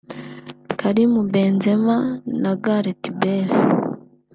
Karim Benzema na Gareth Bale